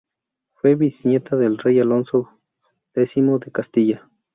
Fue bisnieta del rey Alfonso X de Castilla.